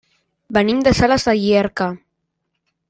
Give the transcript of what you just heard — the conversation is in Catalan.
Venim de Sales de Llierca.